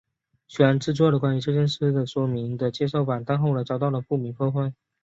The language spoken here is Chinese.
虽然制作了关于这件事的说明的介绍板但后来遭到了不明破坏。